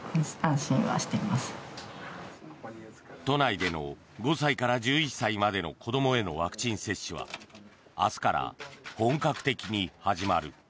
都内での５歳から１１歳までの子どもへのワクチン接種は明日から本格的に始まる。